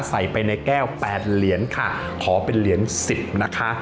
ใส่ไปในแก้ว๘เหรียญค่ะขอเป็นเหรียญ๑๐นะคะ